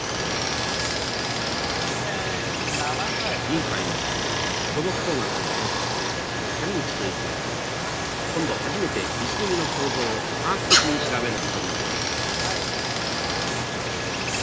委員会の土木工学の調査を担当する谷口敬一郎さんは今度初めて石組みの構造を科学的に調べることになりました。